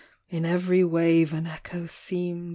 In every wave an echo seemed.